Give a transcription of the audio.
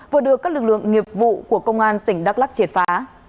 vừa được các lực lượng nghiệp vụ của công an tỉnh đắk lắc triệt phá